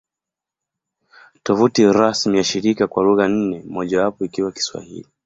Tovuti rasmi ya shirika kwa lugha nne, mojawapo ikiwa Kiswahili